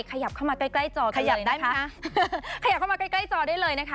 ขยับเข้ามาใกล้จอได้เลยนะคะขยับได้ไหมคะขยับเข้ามาใกล้จอได้เลยนะคะ